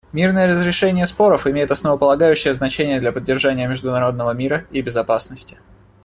Мирное разрешение споров имеет основополагающее значение для поддержания международного мира и безопасности.